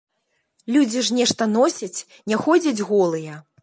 Людзі ж нешта носяць, не ходзяць голыя.